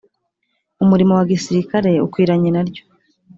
umurimo wa gisirikare ukwiranye na ryo